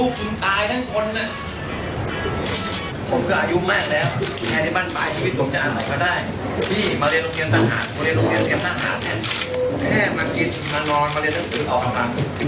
แม่มากินมานอนมาเรียนตั้งคืนออกกำลังคือไม่ต้องเสียชีวิตเลยเหรอครับพี่